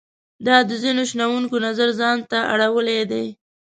دا د ځینو شنونکو نظر ځان ته اړولای دی.